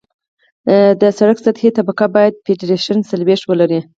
د سرک سطحي طبقه باید پینټریشن څلوېښت ولري